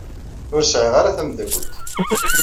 Ur sɛiɣ ara tameddakelt.